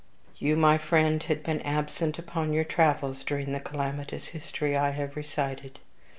You, my friend, had been absent upon your travels during the calamitous history I have recited.